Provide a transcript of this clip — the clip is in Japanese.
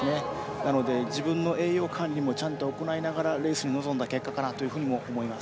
なので、自分の栄養管理もちゃんと行いながらレースに臨んだ結果かなと思います。